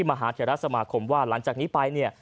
มหาเทราสมาคมว่าหลังจากนี้ไปเนี่ย